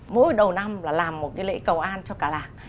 mỗi đầu năm là làm một cái lễ cầu an cho cả làng